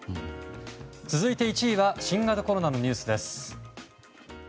続いて１位は新型コロナのニュースです。